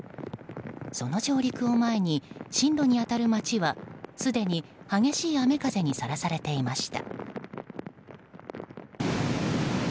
その上陸を前に進路に当たる町はすでに激しい雨風にさらされていました。